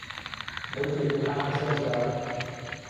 بهیتێکم هاته سهر زار